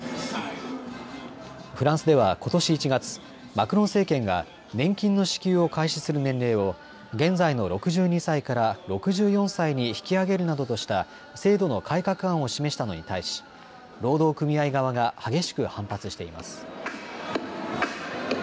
フランスではことし１月、マクロン政権が年金の支給を開始する年齢を現在の６２歳から６４歳に引き上げるなどとした制度の改革案を示したのに対し労働組合側が激しく反発しています。